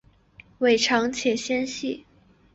尾长且纤细。